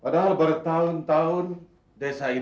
padahal bertahun tahun desa ini